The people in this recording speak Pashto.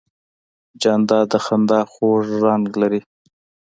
جانداد د خندا خوږ رنګ لري.